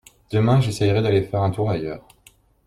Demain, j’essaierai d’aller faire un tour ailleurs.